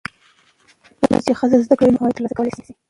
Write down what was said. کله چې ښځه زده کړه ولري، نو عواید ترلاسه کولی شي.